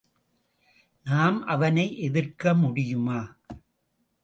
நாம் அவனை எதிர்க்க முடியுமா!